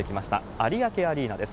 有明アリーナです。